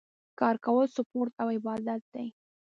کار کول سپورټ او عبادت دی